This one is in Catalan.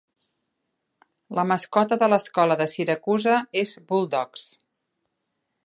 La mascota de l'escola de Syracuse és Bulldogs.